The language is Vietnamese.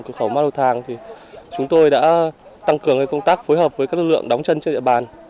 cửa khẩu ma thàng chúng tôi đã tăng cường công tác phối hợp với các lực lượng đóng chân trên địa bàn